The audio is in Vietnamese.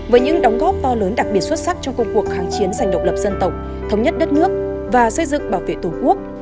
với những đóng góp to lớn đặc biệt xuất sắc trong công cuộc kháng chiến dành độc lập dân tộc thống nhất đất nước và xây dựng bảo vệ tổ quốc